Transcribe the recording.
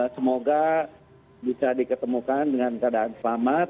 semoga bisa diketemukan dengan keadaan selamat